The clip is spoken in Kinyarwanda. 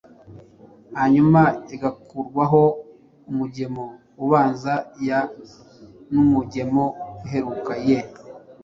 hanyuma igakurwaho umugemo ubanza “ya” n’umugemo uheruka “ye”